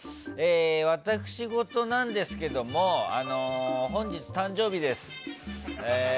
私事なんですけれども本日、誕生日です。